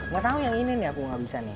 gak tau yang ini nih aku gak bisa nih